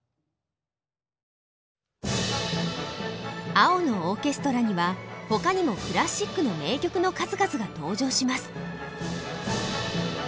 「青のオーケストラ」には他にもクラシックの名曲の数々が登場します。